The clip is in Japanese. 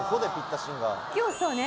今日そうね